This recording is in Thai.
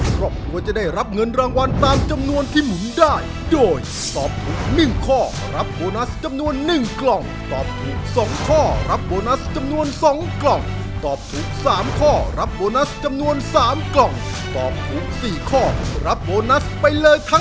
ครอบครัวจะได้รับเงินรางวัลตามจำนวนที่หมุนได้